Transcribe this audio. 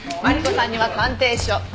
マリコさんには鑑定書。